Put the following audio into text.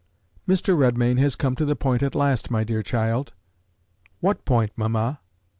"Mr. Redmain has come to the point at last, my dear child." "What point, mamma?"